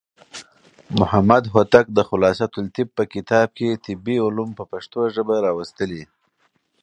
محمد هوتک د خلاصة الطب په کتاب کې طبي علوم په پښتو ژبه راوستلي.